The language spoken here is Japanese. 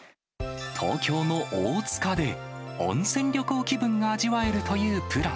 東京の大塚で、温泉旅行気分が味わえるというプラン。